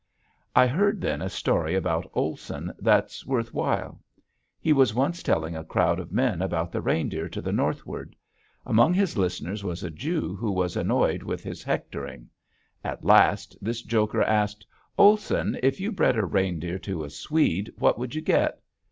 I heard then a story about Olson that's worth while. He was once telling a crowd of men about the reindeer to the northward. Among his listeners was a Jew who was annoyed with his "hectoring." At last this joker asked: "Olson, if you bred a reindeer to a Swede what would you get?"